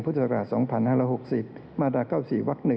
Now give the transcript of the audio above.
พศ๒๕๖๐มาตรา๙๔ว๑